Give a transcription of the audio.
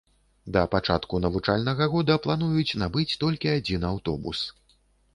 Да пачатку навучальнага года плануюць набыць толькі адзін аўтобус.